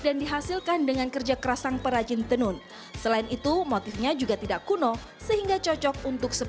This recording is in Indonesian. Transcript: dan dihasilkan dengan kerja kerasang perajin tenun selain itu motifnya juga tidak kuno sehingga cocok